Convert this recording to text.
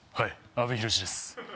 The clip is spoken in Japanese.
阿部寛です。